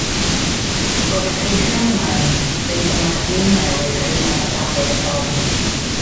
Wrth deithio ymlaen, daethom at dŷ newydd rhyw ddegllath o'r ffordd.